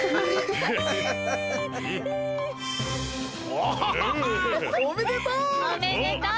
おおおめでとう！